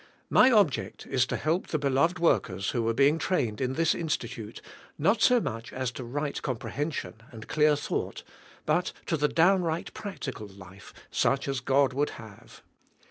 My object is to help the beloved workers who are being trained in this Institute, not so much as to right comprehension and clear thought, but to the down right practical life, such as God would have.